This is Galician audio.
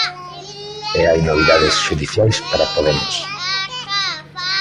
E hai novidades xudiciais para Podemos.